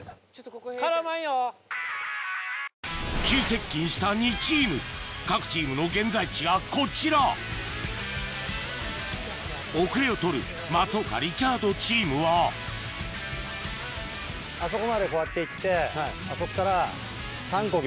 急接近した２チーム各チームの現在地がこちら遅れをとる松岡・リチャードチームはあそこまでこうやって行ってあそこから。